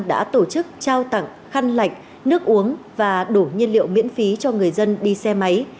đã tổ chức trao tặng khăn lạnh nước uống và đổ nhiên liệu miễn phí cho người dân đi xe máy